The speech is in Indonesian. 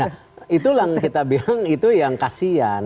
nah itulah yang kita bilang itu yang kasian